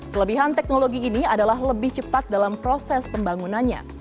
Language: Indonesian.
kelebihan teknologi ini adalah lebih cepat dalam proses pembangunannya